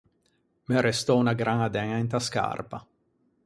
M’é arrestou unna graña d’æña inta scarpa.